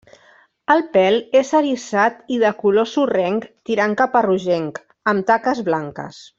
El pèl és eriçat i de color sorrenc tirant cap a rogenc, amb taques blanques.